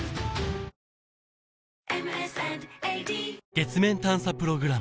月面探査プログラム